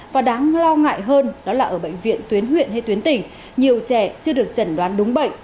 và đáng lo ngại hơn đó là ở bệnh viện tuyến huyện hay tuyến tỉnh nhiều trẻ chưa được chẩn đoán đúng bệnh